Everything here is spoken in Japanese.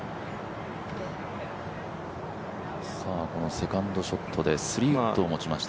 セカンドショットで３ウッドを持ちました。